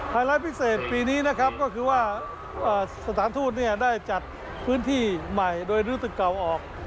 ไลท์พิเศษปีนี้นะครับก็คือว่าสถานทูตได้จัดพื้นที่ใหม่โดยรู้สึกเก่าออก